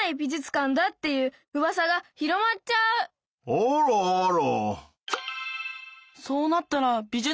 あらあら！